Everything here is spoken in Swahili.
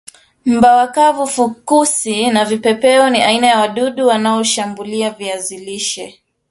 mbawa kavu fukusi na vipepeo ni aina ya wadudu wanaoshambulia viazi lishe